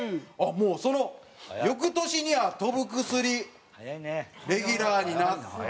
もうその翌年には『とぶくすり』レギュラーになって。